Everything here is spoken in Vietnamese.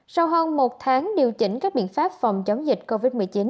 sau hơn một tháng điều chỉnh các biện pháp phòng chống dịch covid một mươi chín